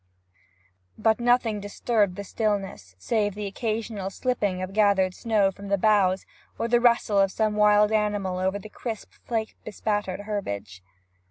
But nothing disturbed the stillness save the occasional slipping of gathered snow from the boughs, or the rustle of some wild animal over the crisp flake bespattered herbage.